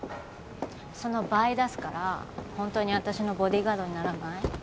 その倍出すから本当に私のボディーガードにならない？